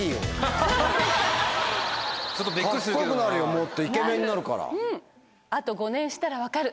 もっとイケメンになるから。